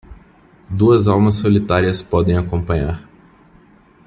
Duas almas solitárias podem acompanhar